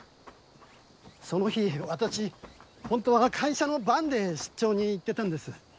その日私本当は会社のバンで出張に行ってたんです。